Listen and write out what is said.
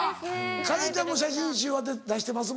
カレンちゃんも写真集は出してますもんね。